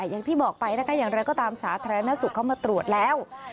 อย่างที่บอกไปนะคะอย่างไรก็ตามสาธารณสุขเข้ามาตรวจแล้ว